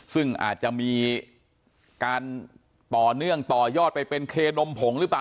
ซึ่งอาจจะมีการต่อเนื่องต่อยอดไปเป็นเคนมผงหรือเปล่า